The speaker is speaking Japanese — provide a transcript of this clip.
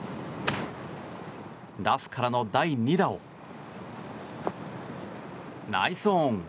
ラフからの第２打をナイスオン。